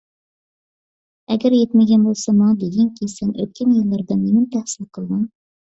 ئەگەر يەتمىگەن بولسا، ماڭا دېگىنكى سەن ئۆتكەن يىللاردا نېمىنى تەھسىل قىلدىڭ؟